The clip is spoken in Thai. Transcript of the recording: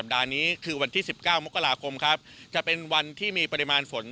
ได้จัดเตรียมความช่วยเหลือประบบพิเศษสี่ชน